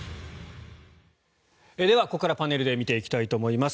では、ここからパネルで見ていきたいと思います。